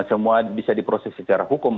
semua bisa diproses secara hukum